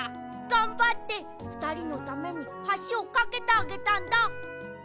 がんばってふたりのためにはしをかけてあげたんだ。